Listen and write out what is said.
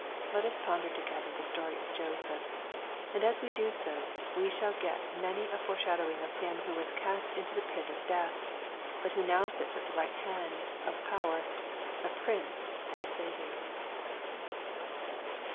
Let us ponder together the story of Joseph 3 and as we do so, we shall get many a fore shadowing of Him who was cast into the pit of death, but who now sits at the right hand of Power, a Prince and a Saviour.